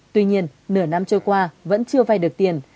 tuy nhiên nửa năm trôi qua vẫn chưa vay được tiền